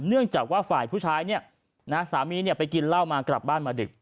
เนื่องจากว่าฝ่ายผู้ชายสามีไปกินเหล้ามากลับบ้านมาดึก